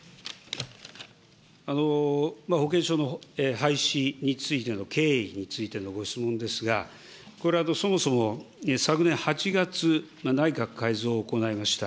保険証の廃止についての経緯についてのご質問ですが、これはそもそも昨年８月、内閣改造を行いました。